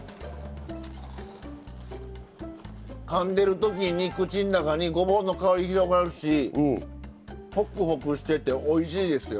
かんでる時に口ん中にごぼうの香り広がるしホクホクしてておいしいですよ。